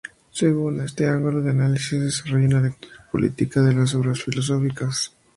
Según este ángulo de análisis desarrolla una lectura política de las obras filosóficas.